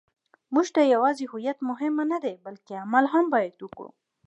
موږ ته یوازې هویت مهم نه دی، بلکې عمل باید وکړو.